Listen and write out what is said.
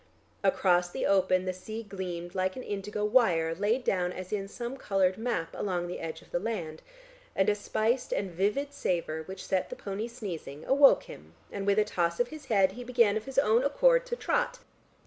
Across the open the sea gleamed like an indigo wire laid down as in some coloured map along the edge of the land, and a spiced and vivid savour which set the pony sneezing, awoke him, and with a toss of his head he began of his own accord to trot.